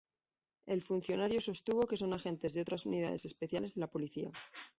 El funcionario sostuvo que son agentes de otras unidades especiales de la Policía.